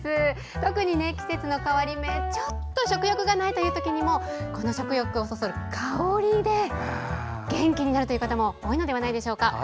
特に、季節の変わり目ちょっと食欲がないというときにもこの、食欲をそそる香りで元気になるという方も多いのではないでしょうか。